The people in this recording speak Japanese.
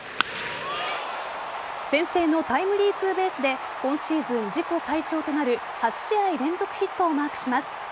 先制のタイムリーツーベースで今シーズン自己最長となる８試合連続ヒットをマークします。